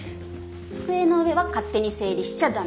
机の上は勝手に整理しちゃダメ。